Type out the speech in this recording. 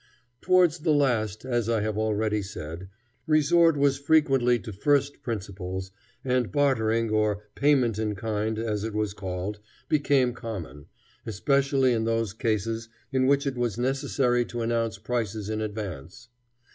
Towards the last, as I have already said, resort was had frequently to first principles, and bartering, or "payment in kind," as it was called, became common, especially in those cases in which it was necessary to announce prices in advance.